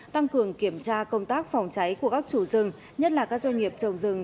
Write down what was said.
tăng cường kiểm tra công tác phòng cháy của các chủ rừng nhất là các doanh nghiệp trồng rừng